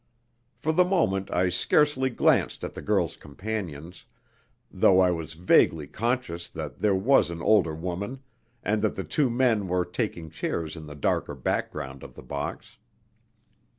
For the moment I scarcely glanced at the girl's companions, though I was vaguely conscious that there was an older woman, and that two men were taking chairs in the darker background of the box.